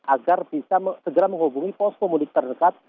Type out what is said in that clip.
agar bisa segera menghubungi pos pemudik terdekat